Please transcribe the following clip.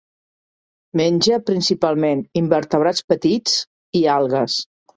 Menja principalment invertebrats petits i algues.